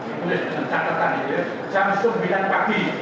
ini sudah dikatakan jam sembilan pagi